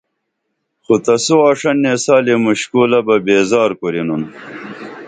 خو تسو آݜن نیسالی مُشکُلہ بہ بیزار کُرینُن